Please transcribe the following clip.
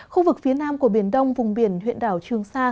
khu vực phía nam của biển đông vùng biển huyện đảo trường sa